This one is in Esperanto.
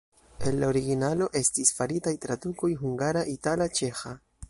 El la originalo estis faritaj tradukoj hungara, itala, ĉeĥa.